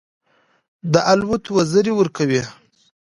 د الوت وزرې ورکوي.